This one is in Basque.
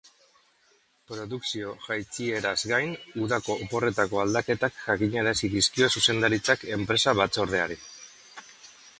Produkzio jaitsieraz gain, udako oporretako aldaketak jakinarazi dizkio zuzendaritzak enpresa batzordeari.